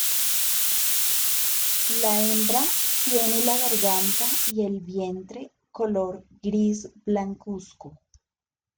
La hembra tiene la garganta y el vientre color gris blancuzco.